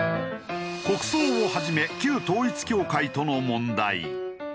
国葬をはじめ旧統一教会との問題。